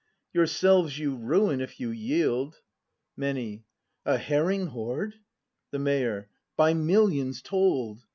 Yourselves you ruin, if you yield! Many. A herring horde! The Mayor. By millions told!